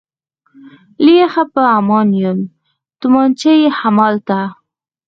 له یخه به په امان یم، تومانچه یې همالته.